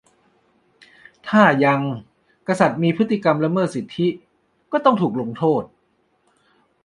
- ถ้ายังกษัตริย์มีพฤติกรรมละเมิดสิทธิ ก็ต้องถูกลงโทษ